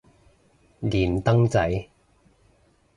連登仔